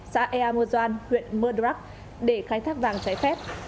xã ea mơ doan huyện mơ đrắc để khai thác vàng trái phép